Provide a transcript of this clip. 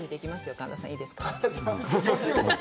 神田さんいいですか？